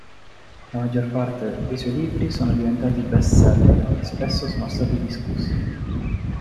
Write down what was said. La maggior parte dei suoi libri sono diventati bestseller e spesso sono stati discussi.